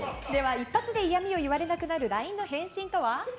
一発で嫌味を言われなくなるＬＩＮＥの返信とは？